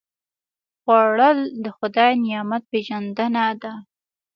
خوړل د خدای نعمت پېژندنه ده